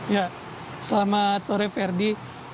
ya selamat sore ferdi